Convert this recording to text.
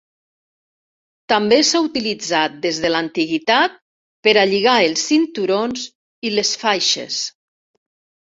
També s'ha utilitzat des de l'antiguitat per a lligar els cinturons i les faixes.